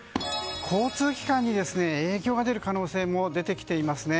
交通機関に影響が出る可能性も出てきていますね。